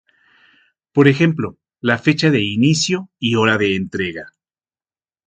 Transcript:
Por ejemplo: la fecha de inicio y hora de entrega.